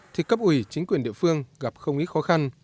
thì cấp ủy chính quyền địa phương gặp không ít khó khăn